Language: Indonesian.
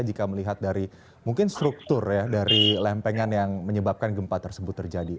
jika melihat dari mungkin struktur ya dari lempengan yang menyebabkan gempa tersebut terjadi